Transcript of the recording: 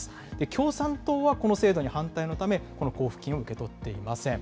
共産党はこの制度に反対のため、この交付金を受け取っていません。